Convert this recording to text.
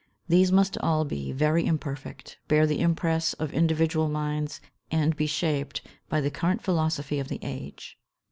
These must all be very imperfect, bear the impress of individual minds, and be shaped by the current philosophy of the age.